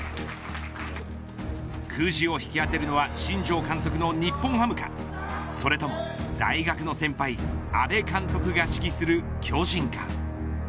くじを引き当てるのは新庄監督の日本ハムかそれとも、大学の先輩阿部監督が指揮する巨人か。